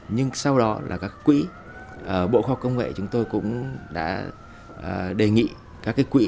nhưng sau đó là các quỹ bộ khoa học công nghệ chúng tôi cũng đã đề nghị các quỹ